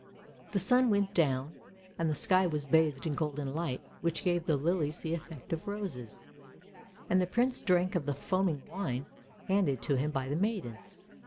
The sun went down and the sky was bathed in golden light which gave the lilies the effect of roses; and the Prince drank of the foaming wine handed to him by the maidens.